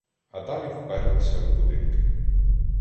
А далі вперлися в будинки